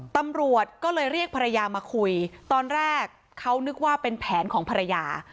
ตำรวจก็เลยเรียกภรรยามาคุยตอนแรกเขานึกว่าเป็นแผนของภรรยา